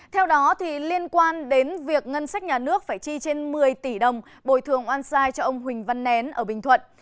theo đó liên quan đến việc ngân sách nhà nước phải chi trên một mươi tỷ đồng bồi thường oan sai cho ông huỳnh văn nén ở bình thuận